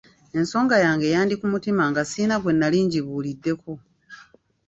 Ensonga yange yandi ku mutima nga sirina gwe nali ngibuuliddeko.